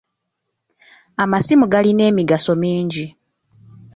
Amasimu galina emigaso mingi.